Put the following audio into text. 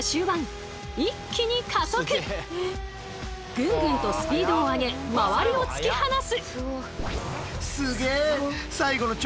グングンとスピードを上げ周りを突き放す！